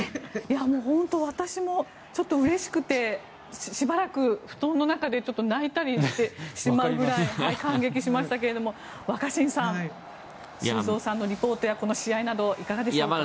本当、私もうれしくてしばらく布団の中で泣いたりしてしまうぐらい感激しましたけれども若新さん、修造さんのリポートやこの試合などいかがでしょうか？